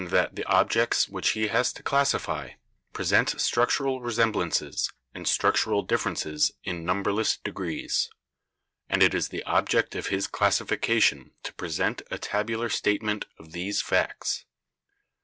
that the objects which he has to classify present structural resemblances and structural differences in numberless degrees, and it is the object of his classifica tion to present a tabular statement of these facts.